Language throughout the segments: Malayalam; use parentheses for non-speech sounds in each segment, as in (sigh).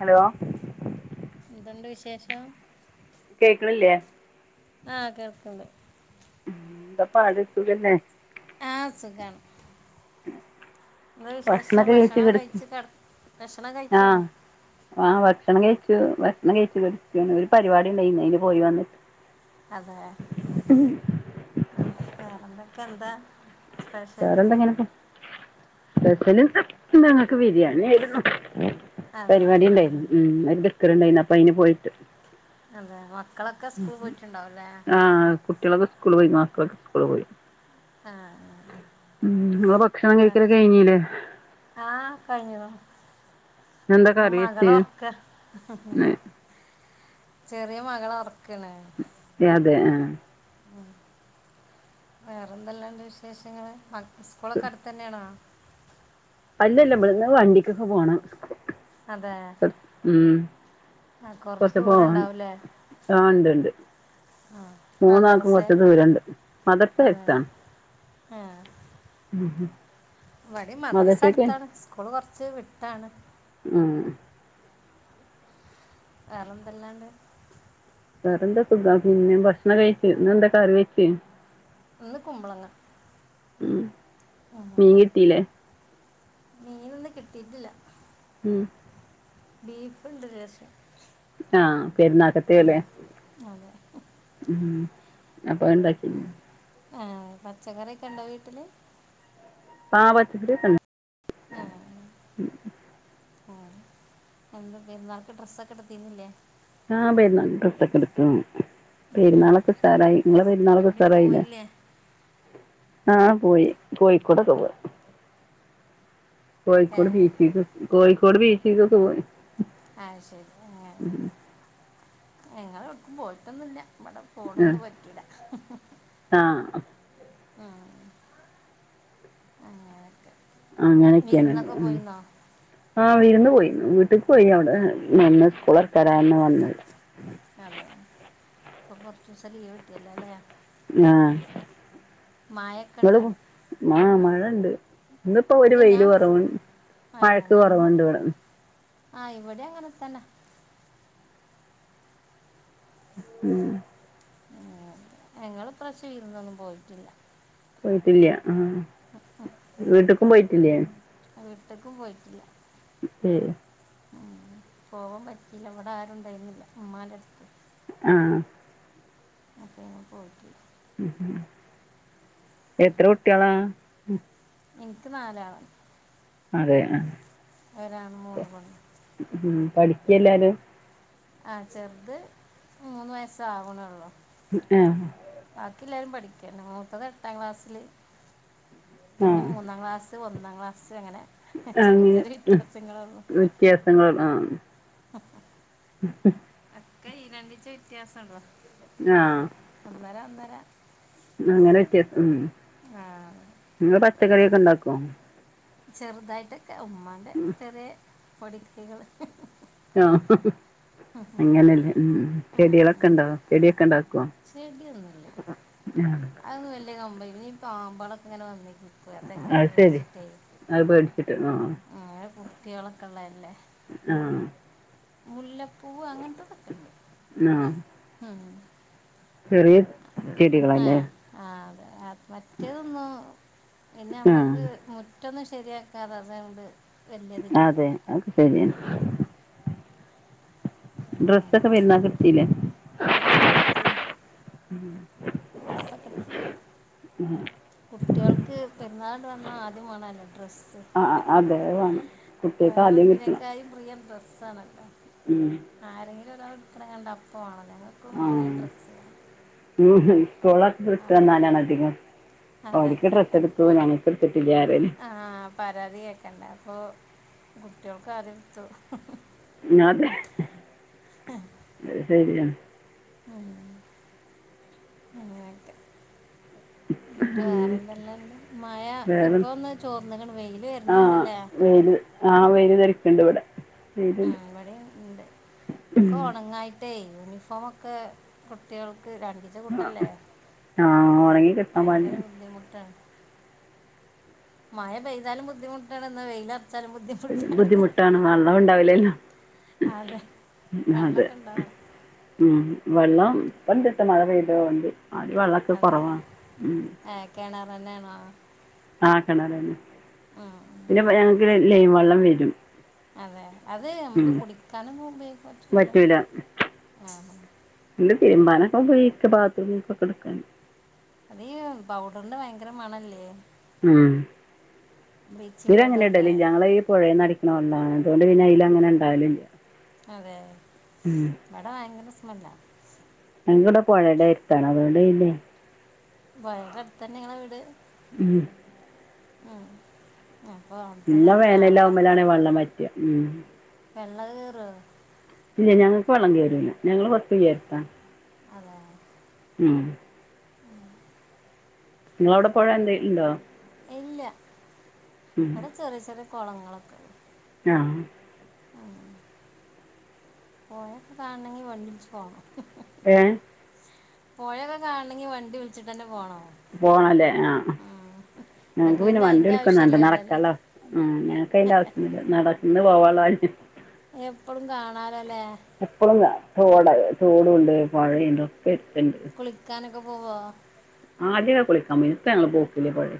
ഹലോ എന്തോണ്ട് വിശേഷം കേക്കണില്ലേ ആഹ് കേൾക്കണ്ട് എന്താ പാട് സുഖന്നേ ആഹ് സുഖാണ് എന്താ വിശേഷം ഭക്ഷണൊക്കെ കഴിച്ച് ഭക്ഷണം കിടക്ക് കഴിച്ചു കട ഭഷണം കഴിച്ചോ ആഹ് ആഹ് ഭക്ഷണം കഴിച്ചു ഭക്ഷണം കഴിച്ചു കടക്കാണ് ഒരു പരിപാടി ഉണ്ടായിന്ന് അയിന് പോയി വന്നിട്ട് അതാ ഉം വേറെ എന്തൊക്ക എന്താ സ്പെഷ്യല് വേറെ എന്തെങ്കിലും ഉം ഒക്കെ സ്പെഷ്യൽ ഞങ്ങൾക്ക് ബിരിയാണി ആയിരുന്നു അതെ പരിപാടി ഉണ്ടായിരുന്നു ഉം ഒരു ദിക്കർണ്ടായിരുന്നു അപ്പൊ അതിന് പോയിട്ട് അതെ മക്കള് ഒക്കെ സ്കൂൾ പോയിട്ട ഇണ്ടാവല്ലേ കുട്ടികള് ഒക്കെ സ്കൂൾ പോയി മക്കള് ഒക്കെ സ്കൂൾ പോയി ആഹ് ഉം ഇങ്ങൾ ഭക്ഷണം കഴിക്കല് ഒക്കെ കഴിഞ്ഞി ല്ലേ ആഹ് കഴിഞ്ഞു എന്താ ഞാൻ കറി വെച്ച് മകളെ ഒറക്ക ഇന്ന് ചെറിയ മകളെ ഒറക്കണ് അതെ ആഹ് ഉം വേറെ എന്തെല്ലാം ഒണ്ട് വിശേഷങ്ങള് മ ക്ക സ്കൂള് ഒക്കെ അടുത്ത് തന്നെ ആണോ അല്ലല്ല ഇവിടുന്ന് ഒക്കെ വണ്ടിക്ക് ഒക്കെ പോണം അതെ ഉം ആ കുറച്ച് കൊറച്ച് ദൂരം പോവാണ്ട് ഉണ്ടാവില്ലേ ആഹ് ഇണ്ട് ഇണ്ട് ആ മൂന്നാൾക്കും മദ്രസ കൊറച്ച് ദൂരം ഇണ്ട് മദർസ എടുത്താ ആഹ് ഉം ഉം ഇവിടെ മദ്രസ അടുത്താണ് സ്കൂള് കൊറച്ച് വിട്ടാണ് ആഹ് വേറെ എന്തല്ലാം ണ്ട് വേറെന്താ സുഖ പിന്നെ ഭക്ഷണം കഴിച്ചു പിന്നെ എന്താ കറി വെച്ച്. ഇന്ന് കുമ്പളങ്ങ. ഉം ഉം മീൻ കിട്ടീല്ലേ മീനൊന്നും കിട്ടിട്ടില്ല. ഉം ബീഫുണ്ട് ലേശം. ആ പെരുന്നാക്കത്തേല്ലേ. അതെ ഉം അപ്പൊ അതുണ്ടാക്കി. ആ പച്ചക്കറിയൊക്കെ ഉണ്ടോ വീട്ടില്? ആ പച്ചക്കറി ഒക്കെണ്ട്. ആ ആ അ എന്ത പെരുന്നാൾക്ക് ഡ്രസ്സ് ഒക്കെ എടുത്തീന്നില്ലേ. ആ പെരുന്നാക്ക് ഡ്രസ്സോക്കെടുക്കും. ഉം. പെരുന്നാളൊക്കെ ഉഷാറായി ഇങ്ങളെ പെരുന്നാളൊക്കെ എവിടെയും ഉഷാറായില്ലേ. പോയില്ലേ ആ പോയി കോയിക്കോടെക്കെ പോയി. ഏ കോഴിക്കോട് ബീച്ചിക്കൊക്കെ കോഴിക്കോട് ബീച്ചിക്കൊക്കെ പോയി. ആ ശരി ഏ ഞങ്ങൾ എവ്ടുക്കും പോയിട്ടൊന്നുല്ല. നമ്മടെ പോണൊന്നും പറ്റൂല. ആ ആ അങ്ങനൊക്കെ. അങ്ങനൊക്കെയാണ് ഉം. ആ വിരുന്ന് പോയി, വീട്ടിക്ക് പോയി അവിടെ നിന്ന് സ്കൂൾ തൊറക്കാരമെ വന്ന്. അതെ ഇപ്പ കൊർച്ചുസം ലീവ് കിട്ടിയല്ല അല്ലേ. ആ മയക്ക് ങ്ങളും ആ മഴണ്ട് ഇന്നിപ്പോ ഒരു ഇല്ല വെയില് ഞാൻ കൊറവും അതെ മഴക്ക് അന്ന് കൊറവൊണ്ട് ഇവിടെ. ആ ഇവിടെ അങ്ങനെ തന്നെ. ഉം ഉം ഞങ്ങള് ഇപ്രാവിശ്യം വീരുന്നൊന്നും പോയിട്ടില്ല. പോയിട്ടില്ല്യ ആ വീട്ടുക്കും പോയിട്ടില്ലേ. വീട്ടുക്കും പോയിട്ടില്ല. (inaudible) ഉം പോവാൻ പറ്റിയില്ല ഇവിട ആരുണ്ടായിരുന്നില്ല ഉമ്മാൻ്റെ അടുത്ത്. ആ അപ്പൊന്ന് പോയിട്ട് ഉം എത്ര കുട്ട്യാള? എനിക്ക് നാലാള്. അതെ ആ ഒരാണും മൂന്ന് പെണ്ണും. ഉം പഠിക്ക എല്ലാരും. ആ ചെറുത് മൂന്ന് വയസ്സ് ആവണൊള്ളൂ. പിന്നെ ബാക്കി എല്ലാരും പഠിക്കാണ് മൂത്തത് എട്ടാം ക്ലാസ്സില് പിന്നെ ആഹ് മൂന്നാം ക്ലാസ്സ്. ത് ഒന്നാം ക്ലാസ്സ് അങ്ങനെ. ചെറിയ ചെറിയ അങ്ങനെ വ്യത്യാസങ്ങളുള്ളൂ വ്യത്യാസങ്ങൾ ആ ഉ (inaudible) ഒക്കെ ഈരണ്ടിച്ച വ്യത്യാസം ഉളേളാ. ആ ഒന്നര, ഒന്നര അങ്ങനെ വ്യത്യാസം ഉം. ആഹ്. ഇങ്ങള് പച്ചക്കറിയൊക്കെ ഇ ണ്ടാക്കോ? ചെറ്തായിട്ടൊക്കെ ഉമ്മാൻ്റെ ചെറിയ പൊടികൈകള്. ആ അങ്ങനല്ലെ ഉം ചെട്യളൊക്കെ ണ്ടോ ചെടിഒക്കെ ഇണ്ടാക്കോ? ചെടി ഒന്നുല്ല. ഉം (unintelligible) അത് വല്യ കമ്പല്ല ഈ പാമ്പളൊക്കെ ഇങ്ങനെ വന്നേക്കി. പ്പതൊക്കെ അത് ശരി പേട്ച്ചിട്ടേ അത് പേടിച്ചിട്ട് ആഹ് ആ കുട്ട്യാ ളൊക്കെ ഇള്ളല്ലേ? ആഹ്. മുല്ലപ്പൂവ് അങ്ങൻത്തതൊക്കെണ്ട് ആഹ് ഉം. ചെറിയ ആ ചെടികളാല്ലെ. ആ അതെ മറ്റേതൊന്നും പിന്നെ അ ആഹ് മ്മക്ക് മു റ്റൊന്നും ശെരിയാക്കാതെ അത്ണ്ട്. അതെ അത് ശെരിന്നെ. അങ്ങനെ ഡ്രസ്സൊക്കെ പെര്ന്നാക്ക് ഇട്തീലെ? ആ ഡ്രസ്സൊക്കെട്ത്തീനി. ഉം. കുട്ട്യാൾക്ക് പെര്ന്നാള്ട് വന്ന ആദ്യമാണല്ലേ ഡ്രസ്സ്. ആഹ് ആഹ് അതെ അത് വേണം കുട്ടികൾക്ക് വേറെ ആദ്യം കിട്ടണം എന്തിനേക്കായിം പ്രിയം ഡ്രെസ്സാണല്ലോ. ഉം. ആരെങ്കിലും ഒരാൾ ഇട്ക്ക്ണ കണ്ടാ അപ്പം വാണം ഞങ്ങൾ ക്കും ആഹ് മാണേഡ്രസ്സ്റിം. ഉം ഉം കൊള വ്ട്ട് വന്നാലാണേ അധികും അതെ ഓൽ ക്ക് ഡ്രസ് എട്ത്തു ഞങ്ങൾക്ക് എട് ത്തിട്ടില്ലറ്യല്. ആ പരാതി കേക്കണ്ട അപ്പൊ കുട്ട്യാ ൾക്ക് ആദ്യ എട്ത്തു. അതെ. ആ. അത് സെര്യാ. ഉം അങ്ങനൊക്കെ. ന്ന്ട്ട് വേറെന്തെല്ലാം ഇണ്ട് മയ ഇപ്പ വേറെ ഒന്ന് ചോർന്ന്ക്ക്ണ് വെയ്ല് വെ ര്ന്ന്ണ്ടല്ലേ? പെയ്ത്. ആ വെയ്ലറിക്ക്ട്വ്ടെ. ആ ഇവടിംണ്ട്. ഒക്കെ ഒണങ്ങായ്ട്ടേ യൂണിഫോമൊക്കെ കുട്ടികൾക്ക് രണ്ടി ആ ആ ഒണങ്ങി ഭയങ്കര ബുദ്ധിമുട്ടാണ്. മഴ പെയ്താലും ബുദ്ധിമുട്ടാണ്ന്ന വെയ്ലർച്ചാലും ബു ബുദ്ധിമുട്ടാണ് വള്ളം ഇ ണ്ടാവില്ലല്ലോ? അതെ വെള്ളൊക്കെ ഇണ്ടോ? ഉം വെള്ളം ഇപ്പട് ട്ടോ മഴ പെയ്ത തുകൊണ്ട് ആര് വെള്ളക്കെ കുറവാണ് ഉം. കെണറെന്നെണാ? ആ കെണറെന്നെ. ആഹ്. പിന്നെ പ്പം ഞങ്ങക്ക് ലൈൻ വള്ളം വരും. അതെ അത് ഉം അമ്മക്ക് കുടിക്കാനും ഉപയോഗിക്ക പറ്റ്ലല്ലോ ആ. ഇട് തിര്മ്പാനൊക്കെഉപയോഗിക്കാ ബാത്രൂമ്കൊക്കെട്ക്കാന്. അതീ പൗഡറിന്റെ ഭയങ്കര മണല്ലേ? ഉം ഇതീലങ്ങനെ പൗഡറിൻ്റെ ഇണ്ടലില്ലാ ഞങ്ങളീ ഈ പുഴേന്ന് അടി ക്ക്ന്ന വള്ളാണ് അതോണ്ട് പിന്നെ അയ്ലങ്ങനെ ഇണ്ടാല്ല്ല്യ. അതെ ഇപടെ ഭയങ്കര സ്മെല്ലാ. ഞങ്ങിവിടെ പുഴടെ എര്ത്താണ് അതുകൊണ്ട് ഇല്ലേ. വയറട്ത്തന്നെ ങ്ങളെ വീട്. ഉം. ആഹ്. അപ്പൊ നല്ല അവ്ട്ത്തന്നെ ന്ന് കാണാ വേനലാവുമ്പലാണ് വെള്ളം വറ്റുക ഉം വെള്ള കേറോ. ഇല്ല ഞങ്ങക്ക് വള്ളം കേറൂല ഞങ്ങള് കൊർച്ചുയരത്ത. അതെ. ഉം. ങ്ങളവ്ടെ പൊഴെന്തേലു ണ്ടോ. ഇല്ല അടെ ചെറിയ ചെറിയ കൊളങ്ങളൊക്കെള്ളു. ഞ്ഞാഹ്. പോയൊക്കെ കാൺണെങ്കി വണ്ട്യുൾച്ച് പോണം. ഏഹ്. പൊഴക്കെ കാൺണങ്കി വണ്ടി വിൾച്ചിട്ടെന്നെ പോണോ. പോണ ലേ ആഹ്. നിനക്ക് ഞങ്ങക്ക് പിന്നെ വണ്ടി അതിൻ്റെ വിളിക്കൊന്നാണ്ട ആവശ്യമില്ലല്ലോ അല്ലേ നടക്കള്ള ആ ഞങ്ങക്കയ്ന്റെ ആവ്സ്യൊന്നുല്ല നട ന്ന് പോവാള്ളൊൽ. എപ്പളും കാണാലൊ ലേ. എപ്പളും കാണ തോടയ തോടുണ്ട് പൊഴിണ്ട് ഒക്കെര്ത്ത്ണ്ട്. കുളിക്കാനൊക്കെ പോവോ. ആദ്യൊക്കെ കുളിക്കാ പോയിനി പ്പ ഞ്ഞങ്ങള് പോക്കില്ല പൊഴെല്.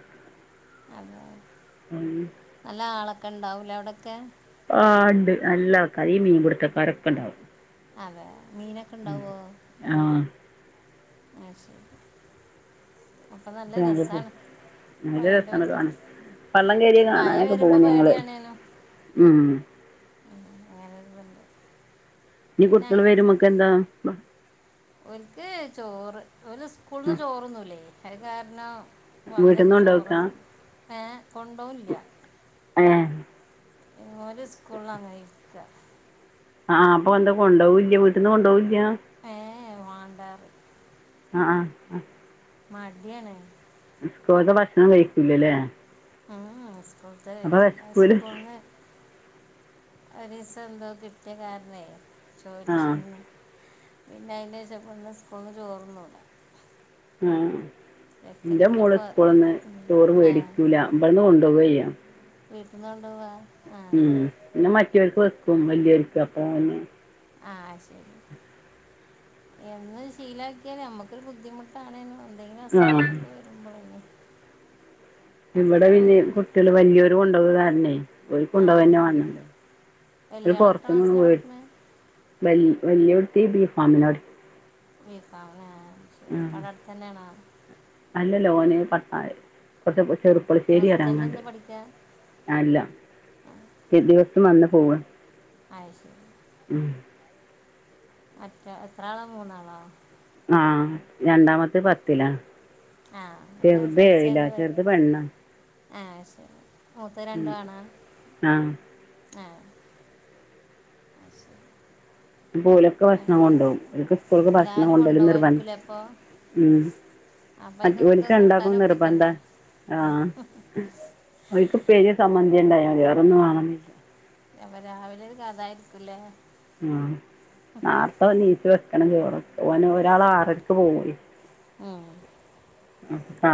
അതെ. (inaudible) നല്ലാളക്കണ്ടാവു ലെ അവ്ടൊക്കെ. ആഹ് ണ്ട് നല്ല ആൾക്കാര് ഈ മീൻ പുട്ത്തക്കാരൊക്ക ണ്ടാവും. അതെ മീനൊ ആഹ്. ആ ശരി അപ്പ നല്ല ഞങ്ങള് പോവും രസ്സാണ്. നല്ല രസ്സാണ് കാണ വള്ളം കേര്യ പക്ഷെ മഴ കാണാനൊക്കെ പോകു വരുമ്പോൾ ഞങ്ങള് ഉം. (unintelligible) വന്ന്. ഞ്ഞ് കുട്ട്യള് വരുംമക്കെന്താ. ഓൽക്ക് ചോറ് ഓല് സ്കൂൾന്ന് ചോറ്ന്നൂലേ അഹ് കാര്ണം. വീട്ടിന്ന് വന്നേക്ക് ചോറ കൊണ്ടോക്കാ തിന്ന ഏഹ് കൊണ്ടോല്ല. ഏഹ്. ഓല് സ്കൂൾലങ്ങനെ ഇര്ക്ക. ആഹ് പ്പൊ എന്ത കൊണ്ടവൂല്ല്യ വീട്ട്ന്ന് കൊണ്ടവൂല്ല. ഏഹ് എ വാണ്ടാറി. അ ആഹ് അ. മട്യാണ്. സ്കൂൾത്തെ ഭക്ഷണം കഴിക്കുല്ല ലേ. ആഹ് അ സ്കൂൾത്തെ കഴിക്കു അ വെശക്കൂല സ്കൂൾന്ന്. ഒരീസെന്തോ കിട്ട്യ കാര്ണേ ആഹ് ചോറ്റ്ന്ന്. പിന്നയ്ൻ്റേഷപ്പന്ന് സ്കൂൾന്ന് ചോറ്ന്നൂല. ആഹ് ചെക്കന് ന്റെ പിന്നെ മോള് പോ സ്കൂള്ന്ന് ഇല്ല. ചോറ് ഏ വേടിക്ക്യൂല ബട്ന്ന് കൊണ്ടൊവൊയ്യ. വീട്ട്ന്നൊണ്ടോവ. ഉം ന്നെ മറ്റോൽക്ക് വെക്കും വല്യോര്ക്ക് അപ്പ ന്നെ. ആഹ് ശരി എന്ന് ശീലാക്ക്യാല് നമ്മക്കൊരു ബുദ്ധിമു ട്ടാണേനു എന്തെങ്കിലു ആഹ് അസുഖങ്ങളൊക്കെ വരുമ്പളെ. ഇവടെ പിന്നെ കുട്ട്യള് വല്ല്യൊരു കൊണ്ടോക കാര്ണേ. ഓൽക്ക്‌ ആ കൊണ്ടോവന്നെ ആ. വണന്ന് ഓ ല് വലിയ ആൾ എത്ര പൊറത്തന്നൊന്നും ക്ലാസ്സിലാണ് വേട് പഠിക്കുന്നത് വൽ വല്യേ കുട്ടി ടബീ ഫാമിനാ പടി ബി ഫാമിനാ.. ആഹ് അല്ലലോന് (unintelligible) പുളശ്ശേരി ഹോസ്റ്റലിൽ റങ്ങണ്ട് നിന്ന് പഠിക്കുക അല്ല ആ ദി ദിവസം വന്ന് പോവ അയ് ശരി ഉം മറ്റെ എത്ര ആളാ മൂന്നാളോ ആഹ് രണ്ടാമത്തെ പത്തിലാ ആ അപ്പോൾ ചെറുത് ഏഴിലാ ചെറുത് പെണ്ണാ ആഹ് അയ് ശരി മൂത്ത രണ്ടു ഉം ആണ ആഹ് ആഹ് ശരി മ്പൊ ഓലൊക്കെ ആ ഭക്ഷണം കൊണ്ടകും ഓല്ക്ക് സ്കൂള് ക്ക്‌ ഭക്ഷണം എല്ലാവരും കൊണ്ടല് നിർവൻ കൊണ്ടുപോകാമായിരിക്കില്ലേ അപ്പോൾ ഉം അപ്പം അതിക്കൊക്കെ മറ്റുഓല്ക്ക്‌ കൂട്ടാൻ രണ്ടാക്കും നിർബന്ധ ഒപ്പിക്കണ്ടേ ആ ആഹ് ഓല്ക്ക് പെര്യോ സമ്മന്തിയൊ ഉണ്ടായമതി. വേറൊന്നും വേണന്നില്ല രവ രാവിലെ ഒരു കഥായിരിക്കൂല്ലേ ഹാ നാർത്ത നീച്ച് വെക്കണം ചോറ് ഓന ഒരാൾ ആറര ക്ക് പോകെയ് യി മ്മ്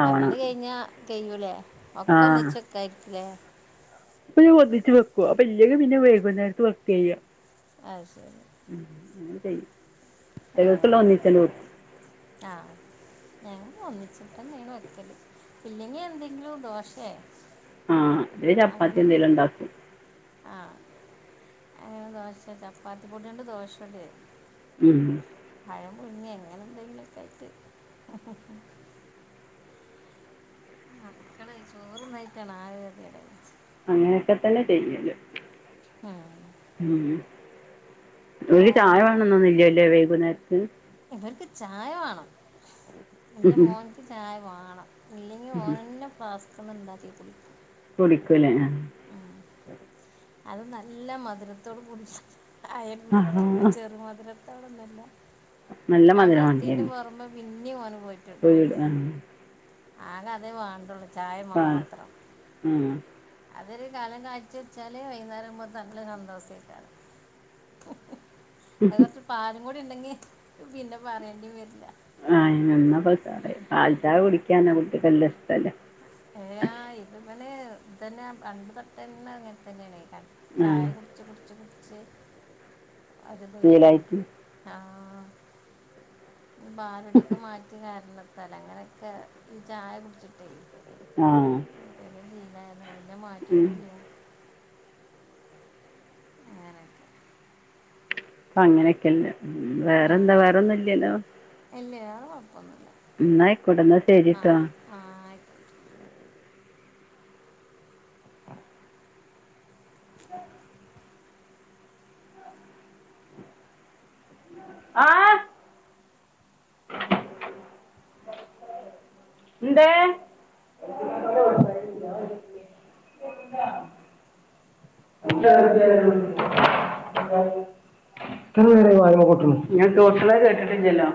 ആവണം അതണ് കയിഞ്ഞാ കയ്യൂലെ ഒക്ക ഒന്നിച്ച് (unintelligible) പ്പ ഞാൻ ഒന്നിച്ച് വെക്കും അപ്പൊ ഇല്ലെങ്കി പിന്നെ വൈകുന്നേരത്ത് വെക്കാ യ്യാ ആയ് ശരി ഉം അങ്ങനെ ചെയും ച്ചക്കക്ക് ള്ള ഒന്നിച്ചങ് വെക്കു ആഹ് ഞാൻ ഒന്നിച്ചിട്ടെന്നേണ് വെക്കല് ഇ ല്ലെങ്കി എന്തെങ്കിലും ദോശേ ആഹ് അല്ലെങ്കി ചപ്പാത്തി എന്തേലു ണ്ടാക്കും ആഹ് അങ്ങനെ ദോശ ചപ്പാത്തി പൊടിയൊണ്ട് ദോശചുടെ ഉം പഴം പുഴുങ്ങേ എങ്ങനെ എന്തെങ്കിലുംക്കെ ആയിട്ട് മക്കള ചോറു ന്നായിറ്റാണ് ആകെ കേതീ ടായത് അങ്ങനൊക്കെ തന്നെ ചെയ്യല് ആഹ് ഉഉം ഓല് ചായ വേറെന്താ വേണന്നൊന്നില്ലലെ വൈകുന്നേരത്ത് ഇവർക്ക് ചായ വേണം. ഇ ന്റെ മോൻക്ക് ചായ വാണം ഇല്ലെങ്കിഓനന്നെ ഫ്ലാസ്ക്ന്ന് ണ്ടാക്കി കുടിക്ക് കുടിക്കൂലെ ആ അത് നല്ല മധുരത്തോട് കൂടി ചായ ആഹ് കുടിക്ക ചെറു മധുര (unintelligible) നല്ല മധുരം നമ്മളട്ത്തീന്റെ പൊറമേ പിന്നീ ഓന് പോയിട്ട് പോയിടും ആഹ് ആകെ അത് വാണ്ടുള്ളു ചായ ആഹ് മാത്രം ഉം. അതൊരു കലം കാച്ചി ച്ചാല് വൈകുന്നേരംപോ നല്ല സന്തോഷേ ക്കാരം ഹ്ഹ് അത് കുറച്ച് പാലും കൂടി ഉണ്ടെങ്കി പിന്നെ പറയേണ്ടി വരില്ല ആഹ് അന്നപ്പോ സപാൽചായ കുടിക്കാൻ നമുക്കൊക്കെനല്ല ഷ്ടല്ലേ ഏആ ഇത് പെല് ഇതന്നെ പണ്ട് തൊട്ടന്നെങ്ങനെ തന്നെയണക്ക ആ ചായ കുടിച്ച് കുടിച്ച് കുടിച്ച് അതു തയ്ക്കണ് ശീലായിട്ട് ആഹ് ഭാലടൊക്കെ മാറ്റ് റ്റ കാരണത്തൽ അങ്ങനെയൊക്കെ ഈ ചായ കുടിച്ചിട്ടേ ആഹ് പെരെ ശീലായ താണ് പിന്നെ അത് മാറ്റീ ട്ടുല്ല അങ്ങനൊക്കെ പ്പ ങ്ങനൊക്കെല്ലെ ഉം വേറെന്താ വേറൊന്നുല്ലല്ലോ എല്ല വേറെ കുഴപ്പമൊന്നുല്ല ഉം ന്നാ ആയിക്കോട്ടെ ന്നാശരി ട്ടോ ആഹ് ആഹ് എന്തേ (unintelligible) ഞാൻ ടോട്ടിലെ കേട്ടിട്ട്ല്ലല്ലോ